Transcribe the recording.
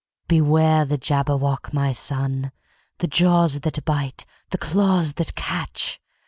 "Beware the Jabberwock, my son! The jaws that bite, the claws that catch!